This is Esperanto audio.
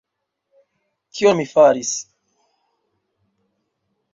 Kion mi faris?